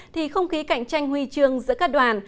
thì không khí cạnh tranh huy chương giữa các đoàn